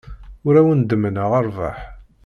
Ur awen-ḍemmneɣ rrbeḥ.